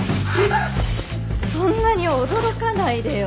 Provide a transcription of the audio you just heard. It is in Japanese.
そんなに驚かないでよ。